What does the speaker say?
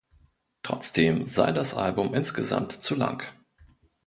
Trotzdem sei das Album insgesamt „zu lang“.